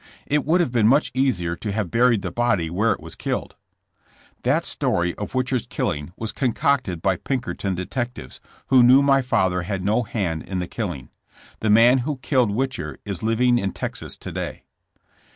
It would have been much easier to have buried the body where it was killed. That story of Whicher 's killing was concocted by Pinkerton detectives, who knew my father had no hand in the killing. The man who killed Whicher is living in Texas today.